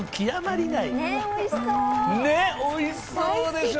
ねっおいしそうでしょ？